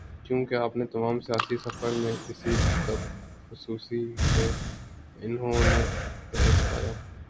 کیونکہ اپنے تمام سیاسی سفر میں اسی طب خصوصی سے انہوں نے فیض پایا۔